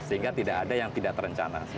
sehingga tidak ada yang tidak terencana